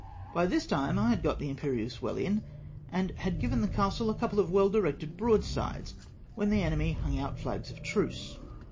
By this time I had got the Inperieuse well in, and had given the castle a couple of well directed broadsides when the enemy hung out flags of truce.